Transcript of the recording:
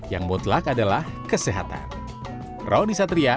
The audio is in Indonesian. yang mutlak adalah kesehatan